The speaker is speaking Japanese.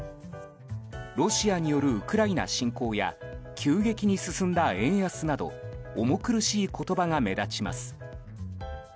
ロシアによるウクライナ侵攻や急激に進んだ円安など重苦しい言葉が目立ちます。